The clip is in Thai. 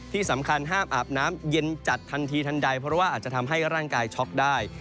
ที่สำคัญห้ามอาบน้ำเย็นจัดทันทีทันใดเพราะว่าอาจจะทำให้ร่างกายช็อกได้